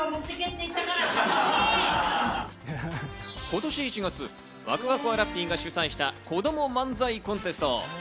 今年１月、わくわくわらっぴーが主催した、こども漫才コンテスト。